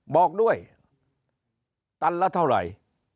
บอกด้วยตันละเท่าไหร่